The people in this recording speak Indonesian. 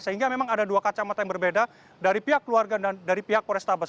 sehingga memang ada dua kacamata yang berbeda dari pihak keluarga dan dari pihak polrestabes